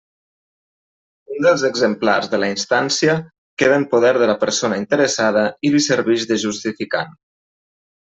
Un dels exemplars de la instància queda en poder de la persona interessada i li servix de justificant.